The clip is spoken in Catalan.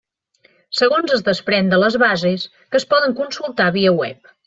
Segons es desprèn de les bases, que es poden consultar via web.